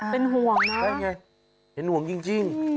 เป็นห่วงนะเป็นไงเป็นห่วงจริง